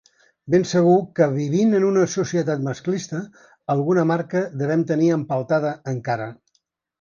Ben segur que, vivint en una societat masclista, alguna marca devem tenir empeltada encara.